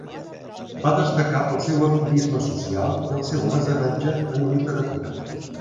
Va destacar pel seu activisme social i el seu mecenatge en literatura.